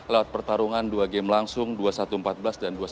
lewat pertarungan dua game langsung dua puluh satu empat belas dan dua satu